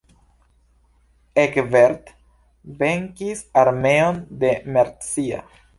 Egbert venkis armeon de Mercia.